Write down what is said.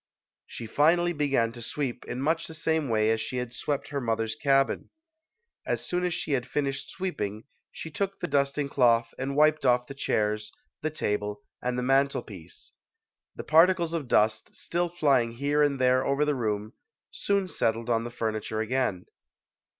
She finally began to sweep in much the same way as she had swept her mother's cabin. As soon as she had finished sweep ing, she took the dusting cloth and wiped off the HARRIET TUBMAN [ 89 chairs, the table and the mantel piece. The parti cles of dust, still flying here and there over the room, soon settled on the furniture again.